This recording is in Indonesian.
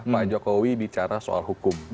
pak jokowi bicara soal hukum